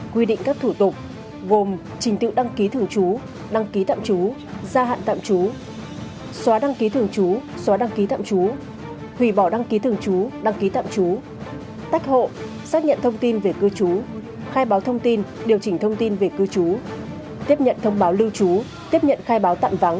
quy định các thủ tục gồm trình tự đăng ký thường trú đăng ký tạm trú gia hạn tạm trú xóa đăng ký thường trú xóa đăng ký tạm trú thủy bỏ đăng ký thường trú đăng ký tạm trú tách hộ xác nhận thông tin về cư trú khai báo thông tin điều chỉnh thông tin về cư trú tiếp nhận thông báo lưu trú tiếp nhận khai báo tạm vắng